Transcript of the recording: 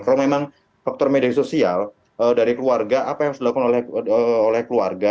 kalau memang faktor media sosial dari keluarga apa yang harus dilakukan oleh keluarga